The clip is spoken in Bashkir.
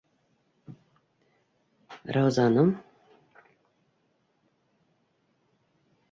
Раузаның: